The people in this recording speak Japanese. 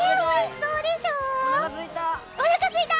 おなかすいた！